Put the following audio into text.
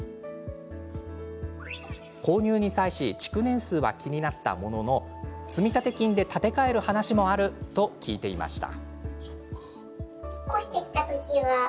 購入に際し築年数は気になったものの積立金で建て替える話もあると聞いていました。